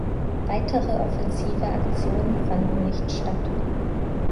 Weitere offensive Aktionen fanden nicht statt.